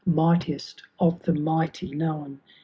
^ Mightiest of the mighty known.